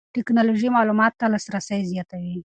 ټکنالوژي معلوماتو ته لاسرسی زیاتوي.